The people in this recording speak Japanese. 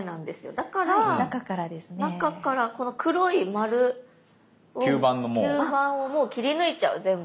だから中からこの黒い丸を吸盤をもう切り抜いちゃう全部。